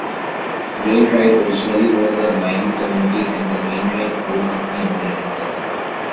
Wainwright originally was a mining community and the Wainwright Coal Company operated there.